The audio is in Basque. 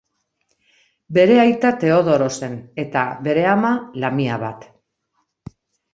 Bere aita Teodoro zen, eta, bere ama, lamia bat.